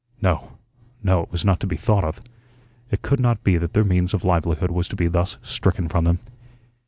No, no, it was not to be thought of. It could not be that their means of livelihood was to be thus stricken from them.